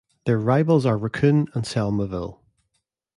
Their rivals are Raccoon and Selmaville.